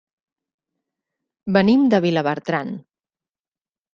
Venim de Vilabertran.